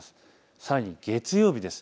さらに月曜日です。